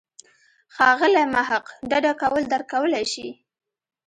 ښاغلی محق ډډه کول درک کولای شي.